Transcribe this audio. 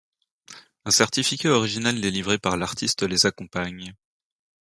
Un certificat original délivré par l'artiste les accompagne.